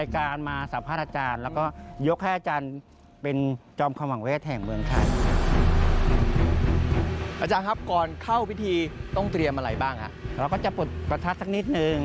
กลัวว่าจะไปบาดลิ้น